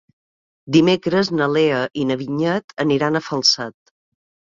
Dimecres na Lea i na Vinyet aniran a Falset.